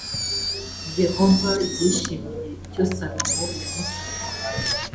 yehova yishimiye icyo salomo yamusabye .